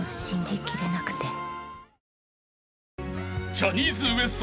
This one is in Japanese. ［ジャニーズＷＥＳＴ